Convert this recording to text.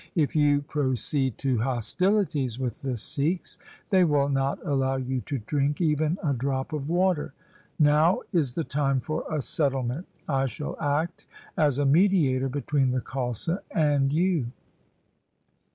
If you proceed to hostilities with the Sikhs, they will not allow you to drink even a drop of water. Now is the time for a settlement. I shall act as a mediator between the Khalsa and you.